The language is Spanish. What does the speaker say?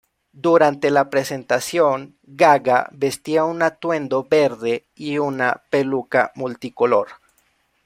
Durante la presentación, Gaga vestía un atuendo verde y una peluca multicolor.